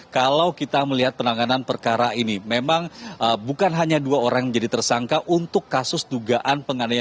kalau kita melihat penanganan perkara ini memang bukan hanya dua orang yang menjadi tersangka untuk kasus dugaan penganiayaan